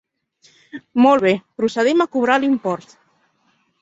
Molt bé, procedim a cobrar l'import.